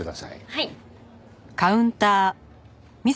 はい。